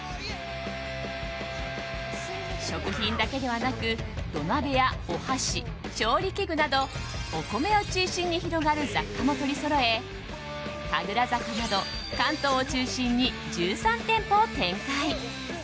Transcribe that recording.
食品だけではなく土鍋やお箸、調理器具などお米を中心に広がる雑貨も取りそろえ神楽坂など関東を中心に１３店舗を展開。